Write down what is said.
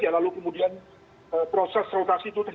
lalu kemudian proses rotasi itu terjadi